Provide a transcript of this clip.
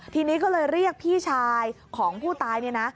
ทีนี้ก็เลยเรียกพี่ชายของผู้ตายเนี่ยนะ